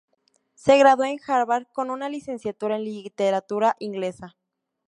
Se graduó en Harvard con una licenciatura en literatura Inglesa.